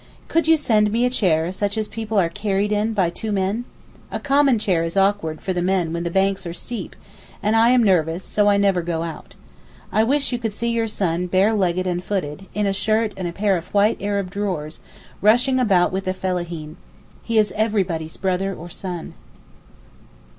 Could you send me a chair such as people are carried in by two men? A common chair is awkward for the men when the banks are steep, and I am nervous, so I never go out. I wish you could see your son bare legged and footed, in a shirt and a pair of white Arab drawers, rushing about with the fellaheen. He is everybody's 'brother' or 'son.